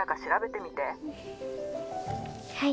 はい。